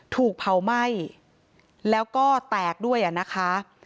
ถูกเผาไหม้แล้วก็แตกด้วยอ่ะนะคะ